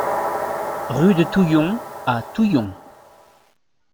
Rue de Touillon à Touillon